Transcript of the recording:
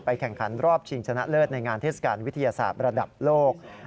แข่งขันรอบชิงชนะเลิศในงานเทศกาลวิทยาศาสตร์ระดับโลก